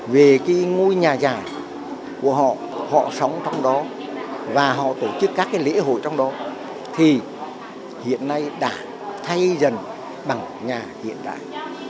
về cái ngôi nhà dài của họ họ sống trong đó và họ tổ chức các cái lễ hội trong đó thì hiện nay đã thay dần bằng nhà hiện đại